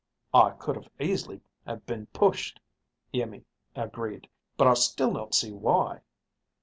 "I could easily have been pushed," Iimmi agreed. "But I still don't see why."